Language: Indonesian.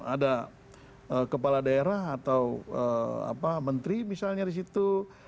ada kepala daerah atau menteri misalnya di situ